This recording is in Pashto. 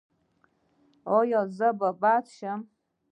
ایا زه باید بد شم؟